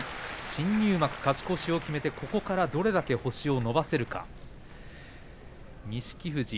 新入幕勝ち越しを決めてここからどれだけ星を伸ばせるか錦富士。